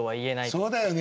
そうだよね。